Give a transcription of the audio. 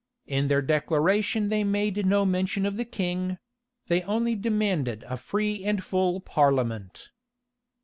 In their declaration they made no mention of the king; they only demanded a free and full parliament.